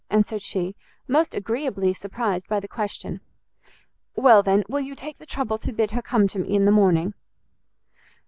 answered she, most agreeably surprised by the question. "Well, then, will you take the trouble to bid her come to me in the morning?"